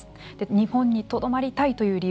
日本にとどまりたいという理由